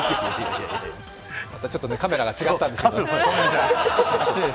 ちょっとカメラが違ったんですけど。